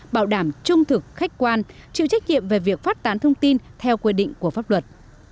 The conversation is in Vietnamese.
bảo đảm trung thực khách quan chịu trách nhiệm về việc phát tán thông tin theo quy định của pháp luật